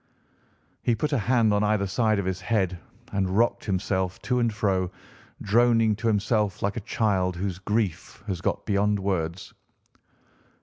He put a hand on either side of his head and rocked himself to and fro, droning to himself like a child whose grief has got beyond words.